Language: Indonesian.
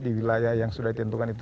di wilayah yang sudah ditentukan itu